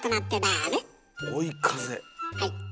はい。